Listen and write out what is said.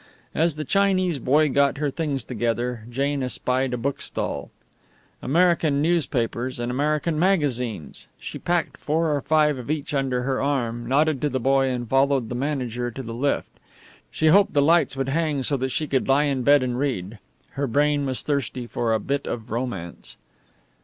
As the Chinese boy got her things together Jane espied the bookstall. American newspapers and American magazines! She packed four or five of each under her arm, nodded to the boy, and followed the manager to the lift! She hoped the lights would hang so that she could lie in bed and read. Her brain was thirsty for a bit of romance.